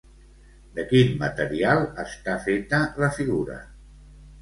De quin material està feta la figura?